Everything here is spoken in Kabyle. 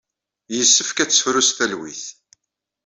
Yessefk ad tefru s talwit.